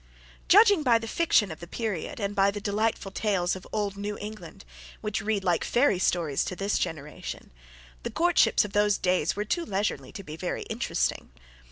Judging by the fiction of the period and by the delightful tales of old New England, which read like fairy stories to this generation, the courtships of those days were too leisurely to be very interesting.